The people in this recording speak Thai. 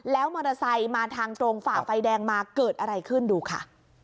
แล้วมอเตอร์ไซค์มาทางตรงฝ่าไฟแดงมาเกิดอะไรขึ้นดูค่ะ